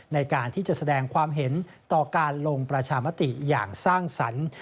ในการที่จะแสดงความเห็นต่อการลงประชามติอย่างสร้างสรรค์